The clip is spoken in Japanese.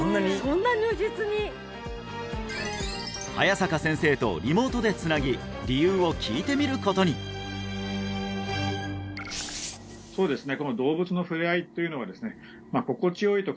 そんな如実に早坂先生とリモートでつなぎ理由を聞いてみることにそうですね